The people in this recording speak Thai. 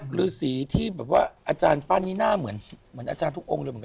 หรือสีที่แบบว่าอาจารย์ปั้นนี้หน้าเหมือนอาจารย์ทุกองค์เลยเหมือนกัน